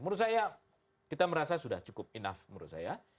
menurut saya kita merasa sudah cukup enough menurut saya